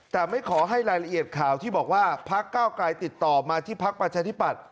แต่ไม่ขอให้รายละเอียดข่าวที่บอกว่าพักเก้าไกลติดต่อมาที่พักประชาธิปัตย